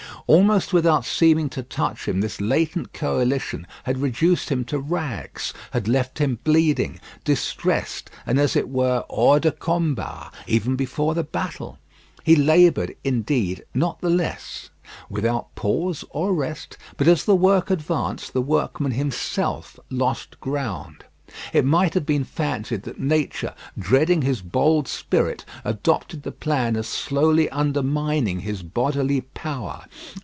Almost without seeming to touch him this latent coalition had reduced him to rags; had left him bleeding, distressed, and, as it were, hors de combat, even before the battle. He laboured, indeed, not the less without pause or rest; but as the work advanced, the workman himself lost ground. It might have been fancied that Nature, dreading his bold spirit, adopted the plan of slowly undermining his bodily power.